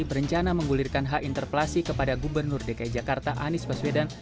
berencana menggulirkan hak interpelasi kepada gubernur dki jakarta anies baswedan